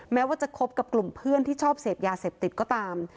แม้ว่าจะคบกับกลุ่มเพื่อนที่ชอบเสพยาเสพติดก็ตาม